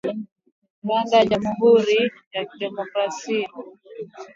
Rwanda na Jamhuri ya kidemokrasia ya Kongo zilishirikiana katika operesheni ya kijeshi